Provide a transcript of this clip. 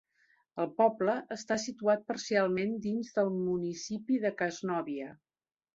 El poble està situat parcialment dins del municipi de Casnovia.